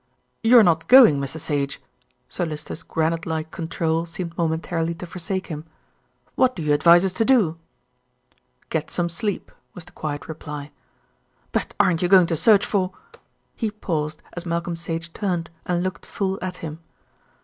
"You're not going, Mr. Sage?" Sir Lyster's granite like control seemed momentarily to forsake him. "What do you advise us to do?" "Get some sleep," was the quiet reply. "But aren't you going to search for ?" He paused as Malcolm Sage turned and looked full at him.